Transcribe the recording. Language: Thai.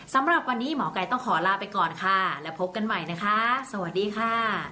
สำหรับวันนี้หมอกัยต้องขอลาไปก่อนค่ะแล้วพบกันใหม่นะคะสวัสดีค่ะ